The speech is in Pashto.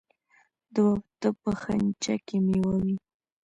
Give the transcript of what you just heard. د واده په خنچه کې میوه وي.